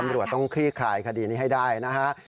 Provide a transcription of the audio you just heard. ตำรวจต้องคลี่คลายคดีนี้ให้ได้นะครับ